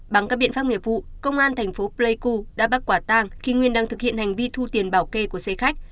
bằng các biện pháp nghiệp vụ công an thành phố pleiku đã bắt quả tang khi nguyên đang thực hiện hành vi thu tiền bảo kê của xe khách